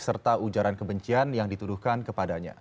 serta ujaran kebencian yang dituduhkan kepadanya